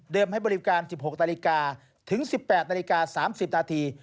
ให้บริการ๑๖นาฬิกาถึง๑๘นาฬิกา๓๐นาที